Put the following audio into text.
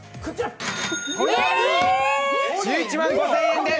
１１万５０００円です！